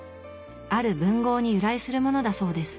ある文豪に由来するものだそうです。